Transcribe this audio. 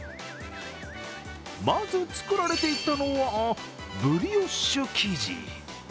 まず作られていたのはブリオッシュ生地。